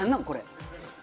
これ！